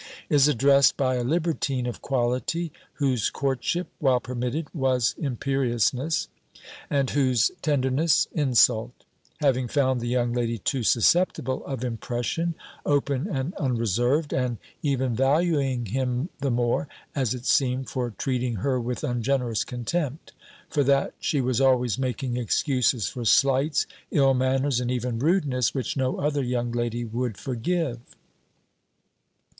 Is addressed by a libertine of quality, whose courtship, while permitted, was imperiousness; and whose tenderness, insult: having found the young lady too susceptible of impression, open and unreserved, and even valuing him the more, as it seemed, for treating her with ungenerous contempt; for that she was always making excuses for slights, ill manners, and even rudeness, which no other young lady would forgive.